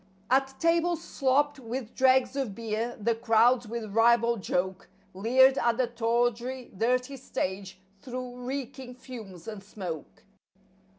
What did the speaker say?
At tables slopped with dregs of beer the crowds with ribald joke Leered at the tawdry, dirty stage through reeking fumes and smoke.